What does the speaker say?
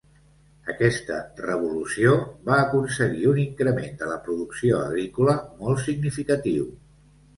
Aquesta «revolució» va aconseguir un increment de la producció agrícola molt significatiu.